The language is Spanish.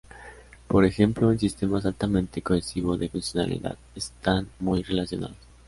Por ejemplo, en sistemas altamente cohesivo de funcionalidad están muy relacionados.